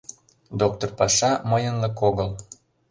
Доктор паша мыйынлык огыл.